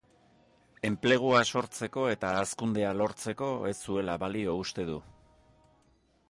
Enplegua sortzeko eta hazkundea lortzeko ez zuela balio uste du.